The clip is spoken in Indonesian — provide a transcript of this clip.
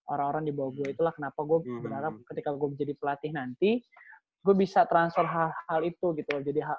orang orang di bawah gue itulah kenapa gua berharap ketika gua jadi pelatih nanti gua bisa transfer hal itu